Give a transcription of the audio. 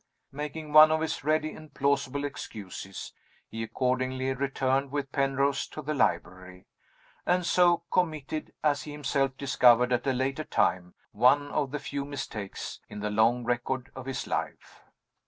Making one of his ready and plausible excuses, he accordingly returned with Penrose to the library and so committed (as he himself discovered at a later time) one of the few mistakes in the long record of his life.